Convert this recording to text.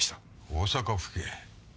大阪府警？